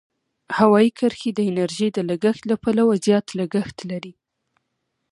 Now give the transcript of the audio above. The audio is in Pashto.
هوایي کرښې د انرژۍ د لګښت له پلوه زیات لګښت لري.